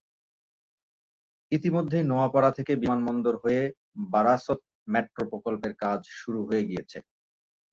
ইতিমধ্যেই নোয়াপাড়া থেকে বিমানবন্দর হয়ে বারাসত মেট্রো প্রকল্পের কাজ শুরু হয়ে গিয়েছে।